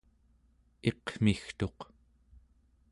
iqmigtuq